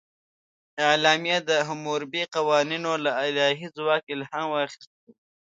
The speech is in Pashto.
اعلامیه د حموربي قوانینو له الهي ځواک الهام اخیستی و.